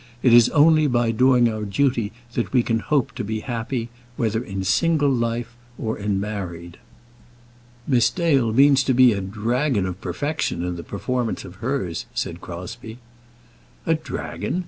It is only by doing our duty that we can hope to be happy, whether in single life or in married." "Miss Dale means to be a dragon of perfection in the performance of hers," said Crosbie. "A dragon!"